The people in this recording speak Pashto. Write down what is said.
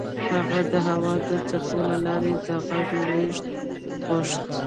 هغه د هوا د څپو له لارې د غږ لېږد غوښت